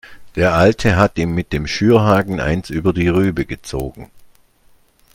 Der Alte hat ihm mit dem Schürhaken eins über die Rübe gezogen.